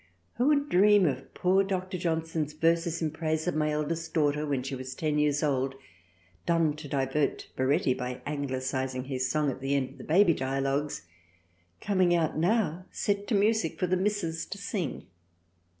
Who would dream of poor Dr. Johnsons Verses in Praise of my eldest daughter THRALIANA 55 when she was ten years old, done to divert Baretti by anglicizing his song at the end of the Baby Dialogues — coming out now set to Music for the misses to sing.